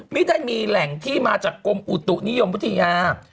ไม่ได้มีแหล่งที่มาจากกรมอุตุนิยมวิทยา